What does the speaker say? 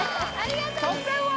得点は？